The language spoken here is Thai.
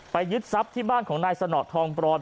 ยึดทรัพย์ที่บ้านของนายสนทองปลอม